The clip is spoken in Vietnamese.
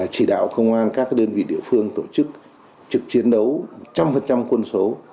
chỉ đạo công an các đơn vị địa phương tổ chức trực chiến đấu một trăm linh quân số